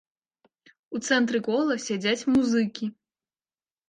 У цэнтры кола сядзяць музыкі.